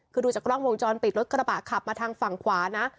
คือดูจากกล้องวงจรปิดรถกระบะขับมาทางฝั่งขวานะ